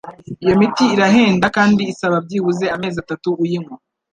Iyo miti irahenda kandi isaba byibuze amezi atatu uyinywa